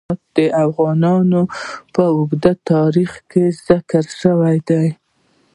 هرات د افغانستان په اوږده تاریخ کې ذکر شوی دی.